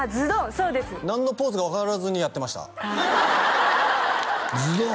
そうです何のポーズか分からずにやってました「ズドン」？